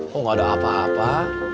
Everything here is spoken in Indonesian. kok gak ada apa apa